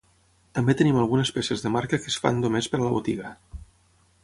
També tenim algunes peces de marca que es fan només per a la botiga.